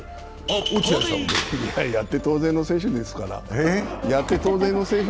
やって当然の選手ですから。